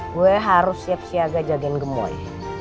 gue harus siap siaga jagain gemoy